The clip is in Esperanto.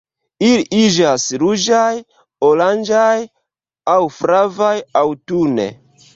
Ili iĝas ruĝaj, oranĝaj aŭ flavaj aŭtune.